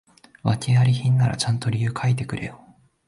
訳あり品ならちゃんと理由書いてくれよ